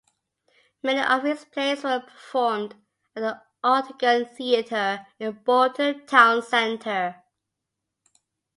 Many of his plays were performed at the Octagon Theatre in Bolton town centre.